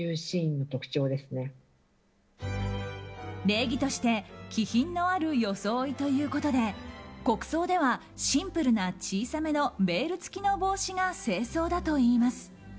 礼儀として気品のある装いということで国葬ではシンプルな小さめのベール付きの帽子が正装だといいます。